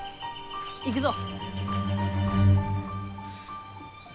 行くぞ。